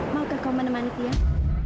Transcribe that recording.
maukah kau menemani tiang